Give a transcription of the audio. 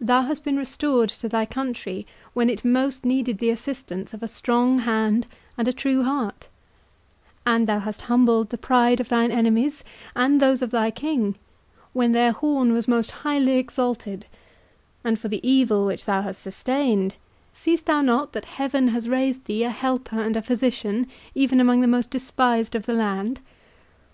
Thou hast been restored to thy country when it most needed the assistance of a strong hand and a true heart, and thou hast humbled the pride of thine enemies and those of thy king, when their horn was most highly exalted, and for the evil which thou hast sustained, seest thou not that Heaven has raised thee a helper and a physician, even among the most despised of the land?